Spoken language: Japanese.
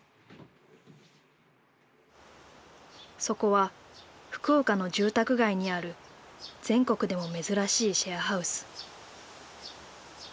そこは福岡の住宅街にある全国でも珍しいシェアハウス。